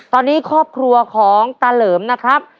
ตอนนี้ครอบครัวของตาเหลิมนะครับ